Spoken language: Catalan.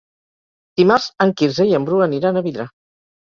Dimarts en Quirze i en Bru aniran a Vidrà.